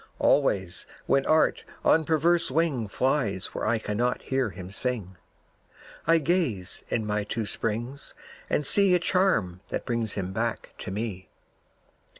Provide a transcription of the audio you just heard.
Always, when Art on perverse wing Flies where I cannot hear him sing, I gaze in my two springs and see A charm that brings him back to me.